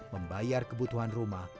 membayar kebutuhan rumah